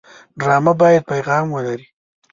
ډرامه باید پیغام ولري